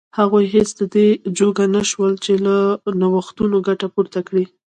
هغوی هېڅ د دې جوګه نه شول چې له نوښتونو ګټه پورته کړي.